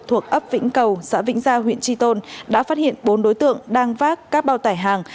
thuộc ấp vĩnh cầu xã vĩnh gia huyện tri tôn đã phát hiện bốn đối tượng đang vác các bao tải hàng